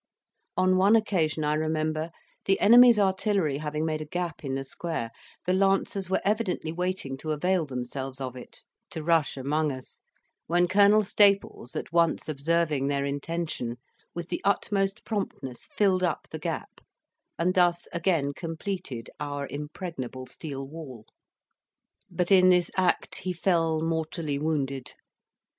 On one occasion I remember, the enemy's artillery having made a gap in the square, the lancers were evidently waiting to avail themselves of it, to rush among us, when Colonel Staples at once observing their intention, with the utmost promptness filled up the gap, and thus again completed our impregnable steel wall; but in this act he fell mortally wounded.